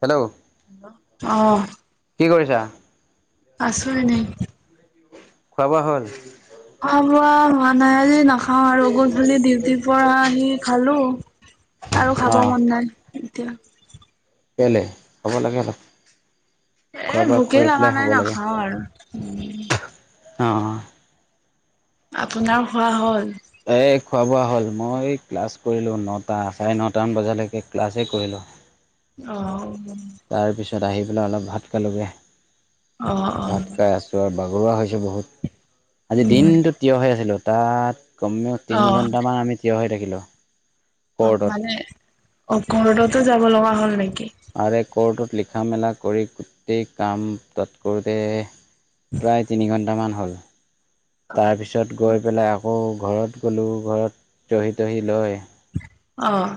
Hello অহ কি কৰিছা? আছোঁ এনয়ে খোৱা বোৱা হ'ল। খোৱা বোৱা হোৱা নাই আজি নাখ নাখাওঁ আৰু গধূলি ডিউটিৰ পৰা আহি খালোঁ আৰু খাব অঁ মন নাই। এতিয়া কেলে খাব লাগে আৰু এই ভোকে লগা নাই নাখাওঁ আৰু অ' অ' আপোনাৰ খোৱা হ'ল? এই খোৱা বোৱা হ'ল, মই ক্লাছ কৰিলোঁ নটা চাৰে নটামান বজালৈকে ক্লাছেই কৰিলোঁ। অহ' তাৰপিছত আহি পেলাই অলপ ভাত খালোগৈ। অ', অ', ভাত খাই আছোঁ আৰু ভা গৰুৱা হৈছোঁ বহুত, আজি উম, দিনটো থিয় হৈ আছিলোঁ তাত কমেও তিনি অ', ঘণ্টামান আমি থিয় হৈ থাকিলোঁ। অ' কৰ্টত মানে ক'টতো যাব লগা হ'ল নেকি? আৰে ক'ৰ্টত লিখা মেলা কৰি গোটেই কাম তৎ কৰোঁতে প্ৰায় তিনি ঘণ্টামান হ'ল, তাৰপিছত গৈ পেলাই আকৌ ঘৰত গ'লোঁ, ঘৰত চহি তহি লয় অহ'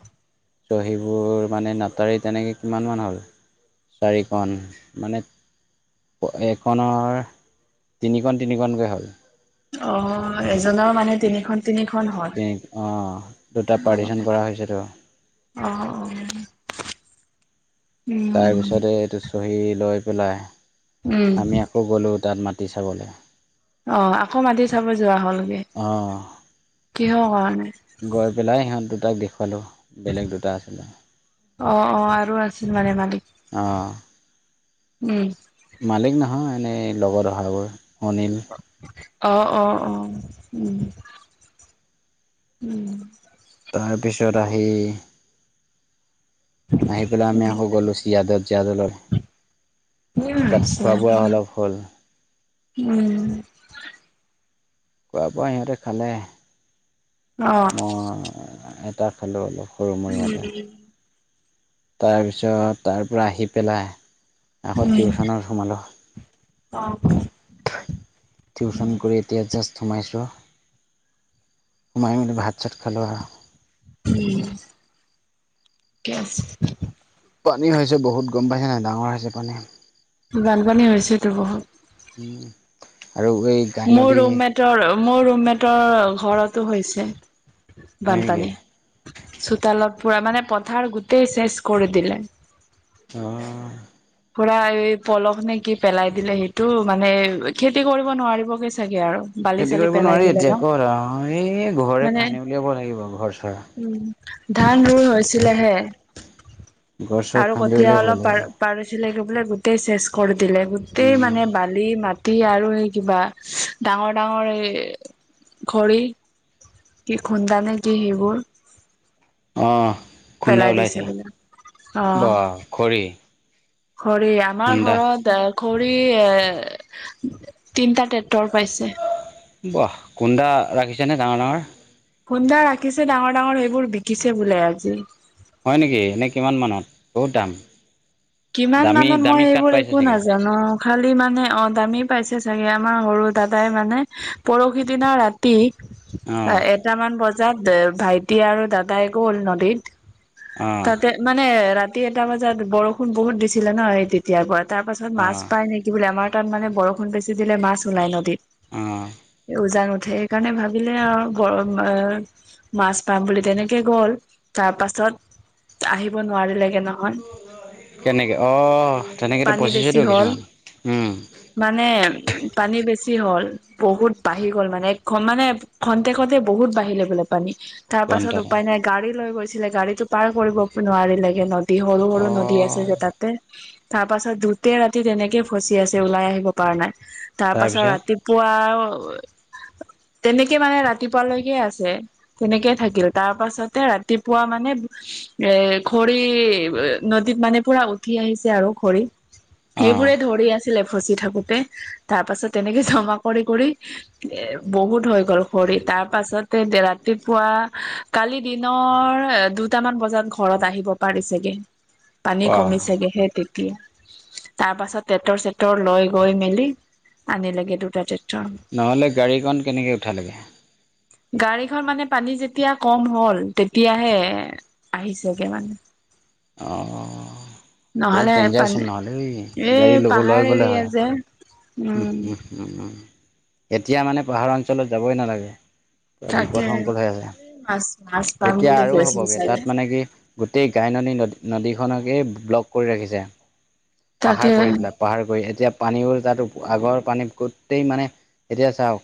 থিয়হি সেইবোৰ মানে নাটাৰী তেনেকে কিমান মান হ'ল চাৰিখন মানে এইখনৰ তিনিখন তিনিখন কৈ হ'ল। অ', এ দুজনৰ মানে তিনিখন তিনিখন হয়। তিনি অঁ দুটা অ', পাৰ্টিশ্যন কৰা হৈছেতো অ', তাৰ উম, পিছতে এইটো চহী লৈ পেলাই উম, আমি আকৌ গ'লো তাত মা মাটি চাবলে। অ' আকৌ মাতি চাব যোৱা হ'লগে। অঁ কিহৰ কাৰণে? তাইক দেখুৱালোঁ বেলেগ দুটা আছিলে। অহ অহ আৰু আছিল মানে মালিক। অহ। উম। মালিক নহয় এনেই লগৰ হৈ অনিল। অ অ অ উম উম। তাৰ পিছত আহি আহি পেলাই আমি আকৌ গলো চিয়াদত জিয়াদলৈ। উম তাত হৈছে খোৱা বোৱা অলপ হ'ল। উম। খোৱা বোৱা ইহঁতে খালে। অ মই এটা খালোঁ অলপ সৰু মোৰ ইয়াতে। তাৰপিছত তাৰ পৰা আহি পেলাই আকৌ উম টিউশচনত সোমালোঁ। অ। টিউশ্যন কৰি এতিয়া জাষ্ট সোমাইছোঁ। সোমাই বুলি ভাত চাট খালোঁ আৰু। উ ক্লাছ পানী হৈছে বহুত গম পাইছে নাই ডাঙৰ হৈছে পানী। বানপানী হৈছেতো বহুত। উম আৰু এই মোৰ গাইনদী ৰুমমেটৰ মোৰ ৰুমমেটৰ ঘৰতো হৈছে। হয় নেকি বানপানী চোতালত পুৰা মানে পথাৰ গোটেই চেচ কৰি দিলে। অহ। পুৰা এই পলস নে কি পেলাই দিলে সেইটো মানে খেতি কৰিব নোৱাৰিবগে চাগে আৰু। বালি খেতি চালি কৰিব পেলাই নোৱাৰি দিলে ন এতিয়া আক এই ঘৰে মানে কান্দি উলিয়াব লাগিব ঘৰ চৰ। উম ধান ৰুই হৈছিলেহে ঘৰ চৰ আৰু খান্দি কঠীয়া উলিয়াব অলপ পাৰ লাগিব পাৰিছিলে [unintelligible] বোলে গোতেই চেচ কৰি দিলে গোতেই উম, মানে বালি মাটি আৰু স কিবা [inaudible] ডাঙৰ ডাঙৰ এ ঘ়ী [inaudible] কি খুন্দা নে কি সেইবোৰ [unintelligible] অ', খুন্দা পেলাই দিছে ওলাইছে বোলে অ ব খৰি [inaudible] খৰি আমাৰ খুন্দা ঘৰত এ খৰি এ [inaudible] তিনিটা টেটৰ পাইছে [unintelligible] বাহ খুন্দা ৰাখিছেনে ডাঙৰ ডাঙৰ [unintelligible] সুন্ধা ৰাখিছে ডাঙৰ ডাঙৰ সেইবোৰ বিকিছে বোলে আজি [unintelligible] হয় নেকি এনেই কিমান মানত বহুত দাম [unintelligible] কিমান দামী মানত মই দামী কাঠ এইবোৰ পাইছে একো চাগে নাজানো [unintelligible] খালি মানে অ দামী পাইছে চাগে আমাৰ সৰু দাদাই মানে পৰহি দিনা ৰাতি [unintelligible] অ', এটামান বজাত ভাইটি আৰু দাদাই গ'ল নদীত [unintelligible] [unintelligible] অ', তাতে মানে ৰাতি এটা বজাত বৰষুণ বহুত দিছিলে ন এই তেতিয়াৰ গত [inaudible] তাৰ পাছত মাছ অ', পায় নে কি বুলি আমাৰ তাত মানে বৰষুণ বেছি দিলে মাছ ওলায় নদীত অ', [inaudible] উজান উঠে সেইকাৰণে ভাবিলে আৰু গৰম [inaudible] মাছ পাম বুলি তেনেকে গ'ল তাৰ পাছত আহিব নোৱাৰিলে [unintelligible] এ ন [inaudible] কেনেকৈ অঁ তেনেকেত পচিছতো হ'ল কিছুমান মানে [inaudible] পানী বেছি হ'ল বহুত বাঢ়ি গ'ল মানে মানে খন্তে খতে বহুত বাঢ়িলে [inaudible] লে পানী [inaudible] তাৰ পাছত ঘণ্টাত উপায় নাই গাড়ী লৈ গৈছিলে গাড়ীতটো পাৰ কৰিব নোৱাৰিলেগে নদী সৰু সৰু নদী [unintelligible] আছে অ', যে তাতে তাৰ পাছত দুট ৰাতি তেনেকে ফচি আছে ওলাই আহিব পৰা নাই [inaudible] তাৰপাছত, তাৰপিছত ৰাতিপুৱাও [inaudible] তেনেকে মানে, ৰাতিপুৱাালৈকে আছে, তেনেকে থাকিল তাৰ পাছতে ৰাতিপুৱা মানে এ খৰি নদ মানে পুৰা উঠি আহিছে। আৰু খৰি অ', সেইবোৰে ধৰি আছিলে। ফচি থাকোতে তাৰ পাছত তেনেকে জমা কৰি কৰি এ বহুত হৈ গ'ল খৰিত তাৰ পাছতে ৰাতিপুৱা কালি দিনৰ দুটামান বজাত ঘৰত আহিব। পাৰিছেগে পানী অ', কমিছেগে সেই তে তাৰ পাছত টেটৰ, চেটৰ লৈ-গৈ মেলি আনিলেগে দুটা টেট নহ'লে গাড়ীকখন কেনেকৈ উঠালেগে। গাড়ীখন মানে পানী যেতিয়া কম হ'ল তেতিয়াহে আহিছেগে মানে অ' বহুত নহলে পানী দেঞ্জাৰচন নহলে অই এই গাড়ী পাহাৰ ল-লৈ গ'লে এৰিয়া হয়। যে উম, উম' এতিয়া মানে পাহাৰ অঞ্চলত যাবই নালাগে। পৰা তাকে বিপদসংকুল হৈ আছে। মাছ মাছ পাম এতিয়া বুলি আৰু কৈছিল হ'বগে তাত চাগে। মানে কি গোটেই গাইননী নী নদী কেই ব্লক কৰি ৰাখিছে। পাহাৰ তাকে। পৰি পেলাই পাহাৰ কৰি এতিয়া পানীও তাত আগৰ পানীত গোটেই মানে এতিয়া চাওঁক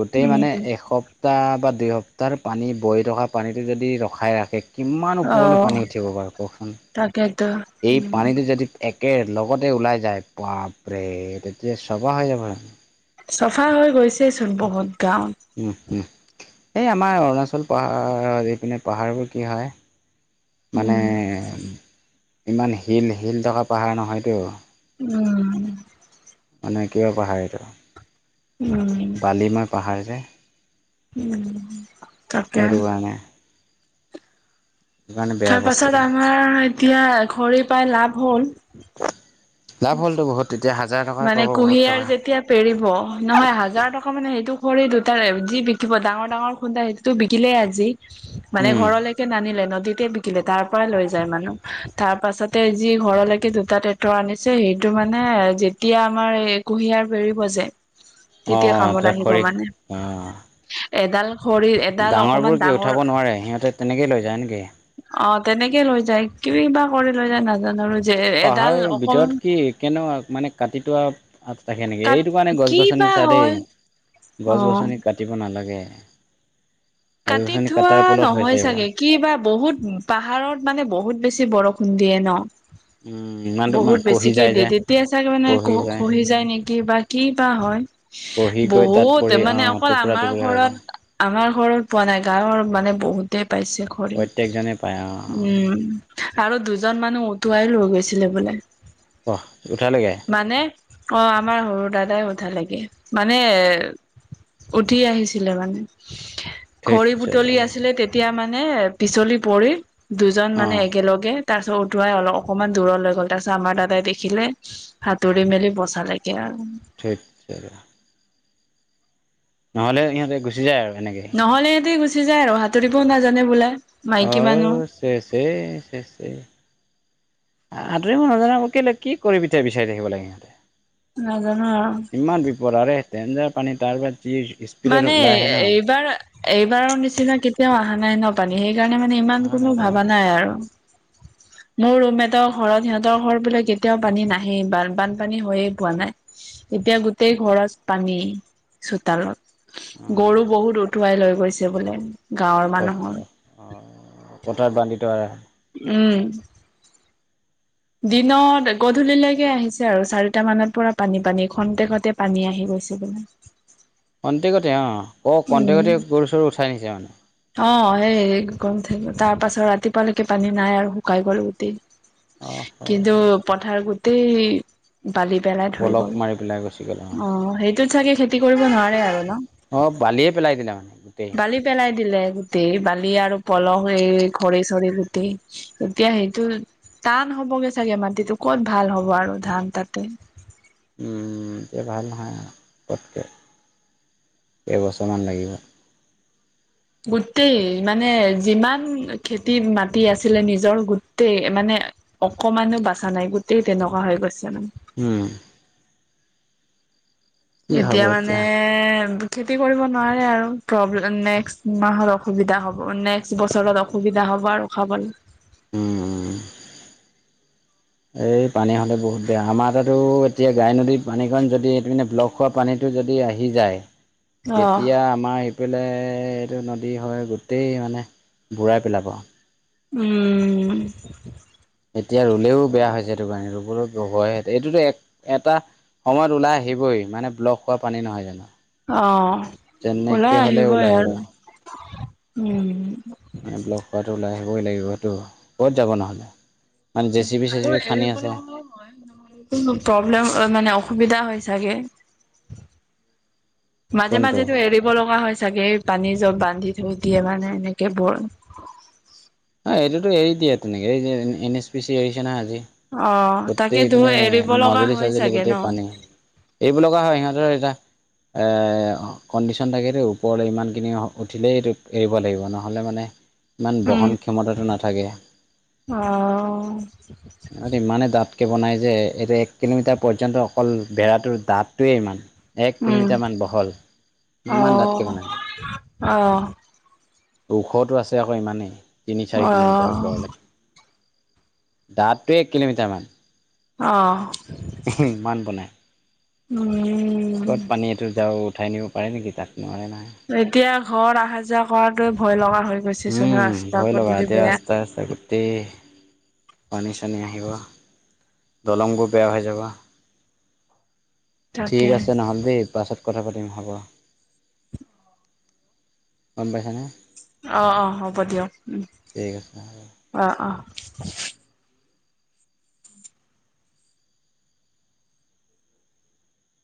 গোটেই মানে উম। এসপ্তাহ বা দুই সপ্তাহ পানী বই থকা পানীটো যদি ৰখাই ৰাখে কিমান ওপৰলৈ অ' পানী উঠিব বাৰু কওকচোন? তাকেতো এই উম, পানীটো যদি- একে লগতে ওলাই যায়, বাপৰে তেতিয়া চবা হৈ যাব। চফা হৈ গৈছেইচোন বহুত গাঁৱত উম উম এই আমাৰ অৰুণাচল পাহাৰত এইপিনে পাহাৰবোৰ কি হয় মানে উম। ইমান শিল শিল থকা পাহাৰ নহয়তো। উম'। মানে কিহৰ পাহাৰটো, উম, বালিময় পাহাৰ যে। উম'। তাকে। সেইটো কাৰণে। কাৰণে বেয়া তাৰ বস্তু পাছত আমাৰ এতিয়া ঘড়ী পাই লাভ হ'ল। লাভ হ'লটো বহুতে মানে কুঁহিয়াৰ যেতিয়া পেৰিব নহয়। হাজাৰ টকা মানে সেইটো খৰি দুটাৰ যি বিকিব ডাঙৰ ডাঙৰ খুন্দা সেইটোতো বিকিলেই আজি মানে ঘৰলৈকে নানিলে নদীতে। শিকিলে তাৰ পৰাই লৈ যায় মানুহ। তাৰ পাছতে যি ঘৰলৈকে জোতা, ট্ৰেক্টৰ আনিছে সেইটো মানে এ যেতিয়া আমাৰ এই কুঁহিয়াৰ পেৰিব যে তেতিয়া কামত অঁ আহিব খৰি মানে। অঁ এডাল খৰি এডাল অকমান ডাঙৰবোৰ কি ডাঙৰ উঠাব নোৱাৰে? সিহঁতে তেনেকেই লৈ যায় নেকি? অ' তেনেকে লৈ যায়। কিবা কৰি লৈ যায় নাজানো আৰু। যে এডাল পাহাৰৰ অকমান ভিতৰত কি? কেনেকুৱা মানে কাটিটো আৰু অ'' থাকে, নেকি কাত এইটো কাৰণে গছ- কি গছনি বা চা হয় দেই গছ অ গছনি কাটিব ন' ন লাগে। কাটি থোৱা নহয়, চাগে, কি বা বহুত পাহাৰত মানে বহুত বেছি বৰষুণ। খুন্দিয়ে ন'। উম, ইমান তোমাৰ বহুত কহি বেছিকে যায় যে দিয়ে, তেতিয়া চাগে মানে কহি যায়। খহি যায নেকি বা কি বা হয়। কহি গৈ তাত বহুত পৰি মানে, অ' অকল টুকুৰা আমাৰ টুকুৰা হৈ ঘৰত যায়। আমাৰ ঘৰত পোৱা নাই গাঁৱৰ মানে বহুতে পাইছে। খৰি প্ৰত্যেকজনে পায় অ' উম' আৰু দুজন মানুহ উটুৱাই লৈ গৈছিলে বোলে াহ। [unintelligible] মানে অ', আমাৰ ঘৰত। দাদাই উঠা লোগে মানে উঠি আহিছিলে মানে ধেইত খৰি চালা বুটলি আছিলে, তেতিয়া মানে পিছলি পৰি দুজন মানে অ' একেলগে তাৰপিছত উঠোৱাই অলপ অকণমান দূৰ লৈ গ'ল তাৰপিছত আমাৰ দাদাই দেখিলে সাতুৰি মেলি বচা লাগি ঠিক তে নহলে সিহঁতে গুচি যায় আৰু। এনেকেই নহলে ইিহঁতেই গুচি যায় আৰু সাঁতুৰিবও নাজানে বোলে। আ মাইকী মানুহ ছে ছে ছে ছে। আঁতৰিবই নাজানা আকৌ কেলে কি কৰি পিঠয়া বিচাৰি থাকিব লাগে। নাজানো আৰু ইমান বিপদ আৰ সেই ডেন্জাৰ পানী তাৰপাছ মানে এইবাৰ এইবাৰৰ নিচিনা কেতিয়াও অহা নাই ন পানী সেই সেইকাৰণে মানে ইমান হয় নাই কোনো এইটো ভবা নাই আৰু। [inaudible] মোৰ ৰুম এটৰ ঘৰত সিহঁতৰ ঘৰ বোলে কেতিয়াও পানী নাহেই বানপানী হৈয়ে পোৱা নাই। এতিয়া গোটেই ঘৰত পানী চোতালত গৰু অ' বহুত উঠুৱাই লৈ গৈছে বোলে। গাঁৱৰ অ, মানুহৰ অ, অ, পথত বান্ধি থোৱা নাই? উম। দিনত গধূলিলৈকে আহিছে আৰু চাৰিটা মানৰ প পানী পানী খন্তে খতে পানী আহিব [inaudible] কন্টেকতে অ ও কণ্টেকতে গৰু চৰু উঠাই নিছে অ। অ সেই গম থাক তাৰ পাছত ৰাতিপুৱালৈকে পানী নাই আৰু শুকাই গ'ল গোটেই। অ কিন্তু পথাৰ গোটেই বালি পেলাই থৈ পলক গ'ল মাৰি পেলাই গুচি গ'ল অ সেইটোত চাগে খেতি কৰিব নোৱাৰে আৰু ন? অ, বালিয়ে পেলাই দিলা মানে। গোটেই বালি পেলাই দিলে গোটেই বালি আৰু পলহ হৈ ঘৰি চৰি গোটেই এতিয়া সেইটো টান হ'বগে চাগে মাটিটো ক'ত ভাল হ'ব আৰু ধান তাতে উম যে ভাল নহয় পতকে এবছৰমান লাগিব। গোটেই মানে যিমান খেতি মাটি আছিলে নিজৰ গোটেই মানে অকমানো বাচা নাই গোতেই তেনেকুৱা হৈ গৈছে। মানে হম। এতিয়া মানে খেতি কৰিব নোৱাৰে আৰু প্ৰব্লেম নেক্সট মাহত অসুবিধা হ'ব নেক্সট বছৰত অসুবিধা হ'ব। খ'ব আৰু খাবলৈঁ উম। এই পানী হ'লে বহুত বেয়া আমাৰ তাতো এতিয়া গাই নদীৰ পানীখন যদি এইপিনে ব্লক হোৱা পানীতো যদি আহি যায় অ নদী হয় গোটেই মানে বুঢ়াই পেলাব উম। এতিয়া ৰুলেও বেয়া হৈছে সেইটো কাৰণে ৰুবলৈ হয় এইটোতো এক এটা সময়ত ওলাই আহিবই মানে ব্লক হোৱা পানী নহয় জানো যেনেকে হ'লেও ওলাই আহিব অ ব্লগ কৰাটো ওলাই আহিবই লাগিবতটো ক'ত যাব নহ'লে মানে জে চি বি চে আৰু চি বি খান্দি আছে [unintelligible] প্ৰবলেম আহ মানে অসুবিধা হয় চাগে মাজে কোনটো মাজেতো এৰিব লগা হৈ হৈছে চাগে পানী জব বান্ধি থৈ দিয়ে মানে এনেকে বৰ অ এইটোতো এৰি দিয়ে তেনেকৈ এই যে এন এছ পি চি এৰিছে না আজি অ তাকেতো গোটেইপিনে এৰিব লগা মাজুলী হয় চাজুলী চাগে ন গোটেই পানী এৰিব লগা হয় সিহঁতৰ এটা এ ও কণ্ডিশ্যন থাকেতো ওপৰলৈ ইমানখিনি উঠিলেইটো এৰিব লাগিব নহ'লে মানে ইমান উম বহন ক্ষমতাটো নাথাকে অ [unintelligible] তকে বনাই যে, এইটো এক কিলোমিটাৰ পৰ্যন্ত অকল, [unintelligible] দাঁতটোৱে ইমান। এক উম কিলোমিটাৰমান বহল অ ইমান ডাঠকে বনায়। অ'। ওখটো আছে আকৌ, ইমানে। তিনি-চাৰি অ কিলোমিটাৰ ওপৰলে। ডাঠটোৱে এক কিলোমিটাৰ মান। অ'। [unintelligible] ইমান বনাই। উম। ক'ত পানীয়েটো যাওঁ উঠাই নিব পাৰে নেকি তাক নোৱাৰে নহয়। ঘৰত অহা যোৱা কৰাটোৱে ভয় লগা হৈ গৈছে চোন উম, ৰাস্তা ভয় ল'গা পদূলি এতিয়া বেয়া ৰাস্তা তাস্তা গোটেই পানী চানী আহিব দলংবোৰ বেয়া হৈ যাব। ঠিক তাকে আছে নহ'লে দেই পাছত কথা পাতিম হ'ব। [inaudible] গম পাইছানে। অ'- অ' হ'ব দিয়ক উম, ঠিক আছে হ'ব অ'- অ'।